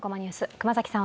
熊崎さん